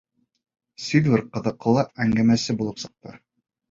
Сильвер ҡыҙыҡлы әңгәмәсе булып сыҡты.